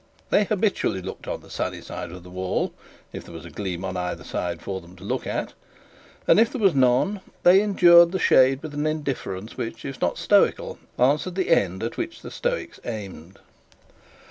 They habitually looked on the sunny side of the wall, if there was a gleam on the either side for them to look at; and, if there was none, they endured the shade with an indifference which, if not stoical, answered the end at which the Stoics aimed.